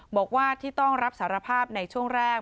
บอกว่าที่ต้องรับสารภาพในช่วงแรก